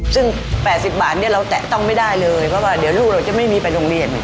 ซึ่ง๘๐บาทเราแตะต้องไม่ได้เลยเพราะว่าเดี๋ยวลูกเราจะไม่มีไปโรงเรียน